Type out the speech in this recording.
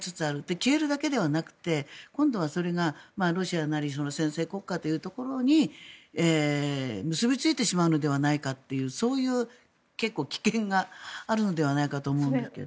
消えるだけではなくて今度はそれが、ロシアなり専制国家というところに結びついてしまうのではないかというそういう結構、危険があるのではないかと思うんですけど。